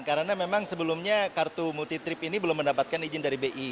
karena memang sebelumnya kartu multi trip ini belum mendapatkan izin dari bi